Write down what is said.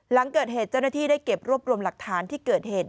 หลังเกิดเหตุเจ้าหน้าที่ได้เก็บรวบรวมหลักฐานที่เกิดเหตุ